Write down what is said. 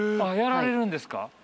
やられるんですか？